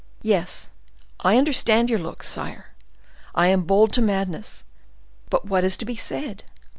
Yes—I understand your looks, sire. I am bold to madness; but what is to be said?